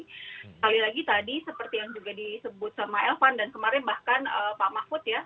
sekali lagi tadi seperti yang juga disebut sama elvan dan kemarin bahkan pak mahfud ya